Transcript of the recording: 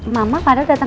mama pada datang